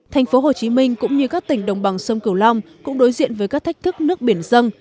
tp hcm cũng như các tỉnh đồng bằng sông cửu long cũng đối diện với các thách thức nước biển dâng